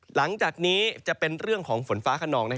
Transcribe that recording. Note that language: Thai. หลังจากนี้จะเป็นเรื่องของฝนฟ้าขนอง